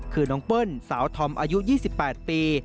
คือน้องเปิ้ลสาวธอมอายุ๒๘ปี